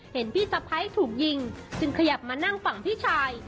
เห็นพี่สะพ้ายถูกยิงจึงขยับมานั่งฝั่งพี่ชาย